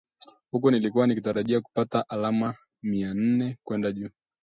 huku nilikuwa nikitarajia kupata alama mia nne kwenda juu